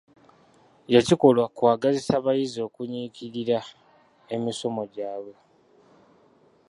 Yakikola kwagazisa abayizi okunyikirira emisomo gyabwe.